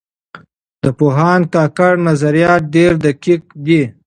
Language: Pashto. د پوهاند کاکړ نظریات ډېر دقیق دي.